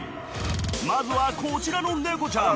まずはこちらの猫ちゃん。